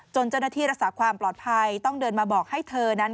เจ้าหน้าที่รักษาความปลอดภัยต้องเดินมาบอกให้เธอนั้น